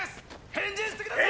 返事してください。